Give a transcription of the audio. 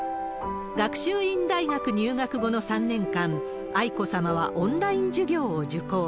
学習院大学入学後の３年間、愛子さまはオンライン授業を受講。